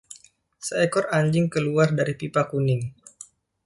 Seekor anjing keluar dari pipa kuning.